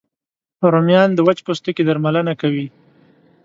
رومیان د وچ پوستکي درملنه کوي